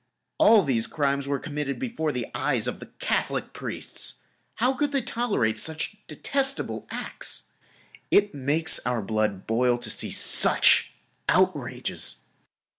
All these crimes were committed before the eyes of the Catholic priests. How could they tolerate such detestable acts. It makes our blood boil to see such outrages.